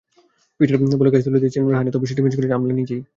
পিটের বলে ক্যাচ তুলে দিয়েছিলেন রাহানে, তবে সেটি মিস করেছেন আমলা নিজেই।